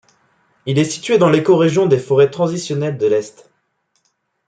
Il est situé dans l'écorégion des forêts transitionnelles de l'Est.